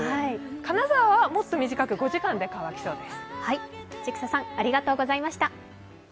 金沢はもっと短く、５時間で乾きそうです。